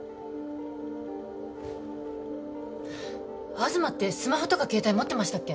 東ってスマホとか携帯持ってましたっけ？